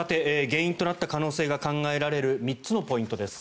原因となった可能性が考えられる３つのポイントです。